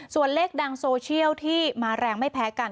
ส่วนเลขดังโซเชียลที่มาแรงไม่แพ้กัน